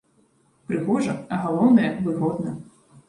Прыгожа, а галоўнае, выгодна.